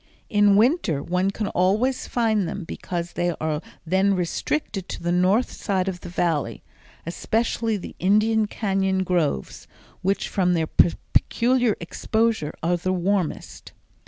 In winter one can always find them because they are then restricted to the north side of the Valley, especially the Indian Cañon groves, which from their peculiar exposure are the warmest.